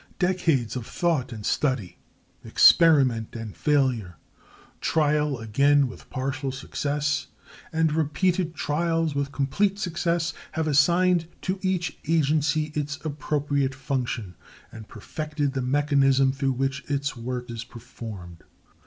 Decades of thought and study, experiment and failure, trial again with partial success, and repeated trials with complete success, have assigned to each agency its appropriate function, and perfected the mechanism through which its work is performed.